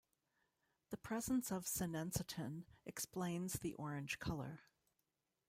The presence of sinensetin explains the orange color.